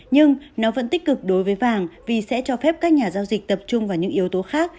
nhưng nó vẫn tích cực đối với vàng vì sẽ cho phép các nhà giao dịch tập trung vào những yếu tố khác